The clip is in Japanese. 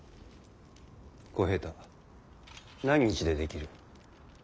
小平太何日で出来る？